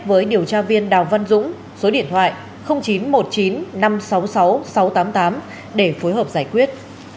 với điều tra viên đào văn dũng số điện thoại chín trăm một mươi chín năm trăm sáu mươi sáu sáu trăm tám mươi tám để phối hợp giải quyết